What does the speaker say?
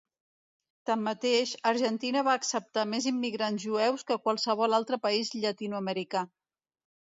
Tanmateix, Argentina va acceptar més immigrants jueus que qualsevol altre país llatinoamericà.